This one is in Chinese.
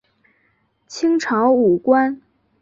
清朝武官。